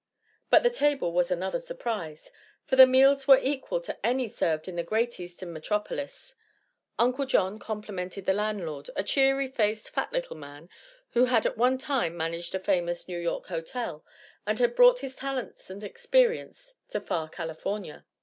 But the table was another surprise, for the meals were equal to any served in the great Eastern metropolis. Uncle John complimented the landlord, a cheery faced, fat little man who had at one time managed a famous New York hotel and had brought his talents and experience to far California.